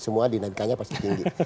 semua dinamikannya pasti tinggi